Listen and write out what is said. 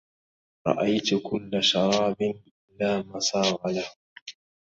رأيت كل شراب لا مساغ له